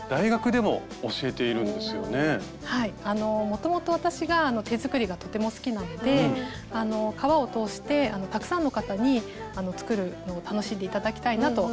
もともと私が手作りがとても好きなので革を通してたくさんの方に作るのを楽しんで頂きたいなと思っています。